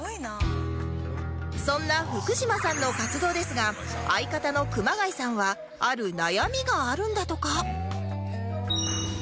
そんな福島さんの活動ですが相方の熊谷さんはある悩みがあるんだとか